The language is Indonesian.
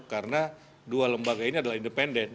karena dua lembaga ini adalah independen